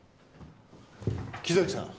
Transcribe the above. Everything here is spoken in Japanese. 木崎さん。